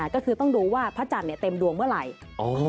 ก็คือต้องดูว่าพระจันทร์เต็มดวงเมื่อไหร่